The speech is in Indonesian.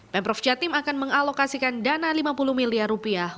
pemprov jatim akan mengalokasikan dana lima puluh miliar rupiah